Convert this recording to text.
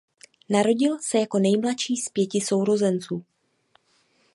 Narodil se jako nejmladší z pěti sourozenců.